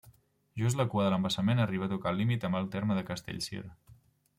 Just la cua de l'embassament arriba a tocar el límit amb el terme de Castellcir.